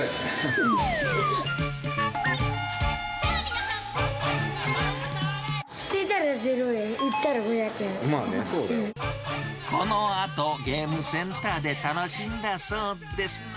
このあと、ゲームセンターで楽しんだそうです。